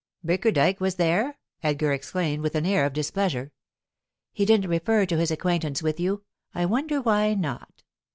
"Bickerdike was there?" Elgar exclaimed, with an air of displeasure. "He didn't refer to his acquaintance with you. I wonder why not?"